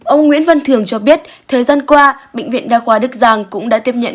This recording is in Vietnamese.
ông nguyễn văn thường cho biết thời gian qua bệnh viện đa khoa đức giang cũng đã tiếp nhận